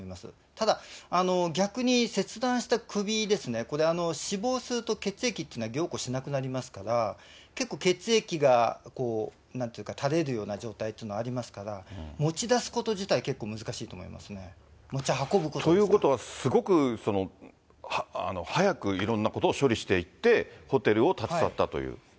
ただ、逆に切断した首ですね、これ、死亡すると血液っていうのは凝固しなくなりますから、結構血液がなんていうか垂れるような状態というのはありますから、持ち出すこと自体結構難しいと思いますね。ということはすごく、早くいろんなことを処理していって、ホテルを立ち去ったという？